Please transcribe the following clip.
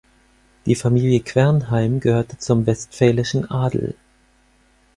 Die Familie Quernheim gehörte zum westfälischen Adel.